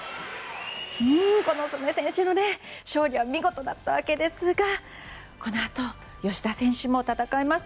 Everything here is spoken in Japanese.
この素根選手の勝利は見事だったわけですがこのあと芳田選手も戦いました。